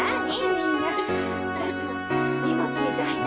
みんな私がお荷物みたいに。